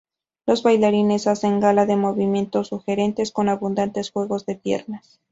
Los bailarines hacen gala de movimientos sugerentes, con abundantes juegos de piernas.